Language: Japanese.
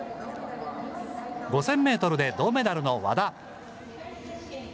５０００メートルで銅メダルの和田。